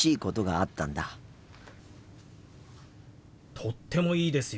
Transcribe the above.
とってもいいですよ。